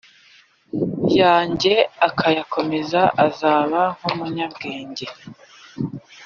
yanjye akayakomeza azaba nk umunyabwenge